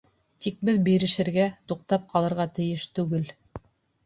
Тик беҙ бирешергә, туҡтап ҡалырға тейеш түгел.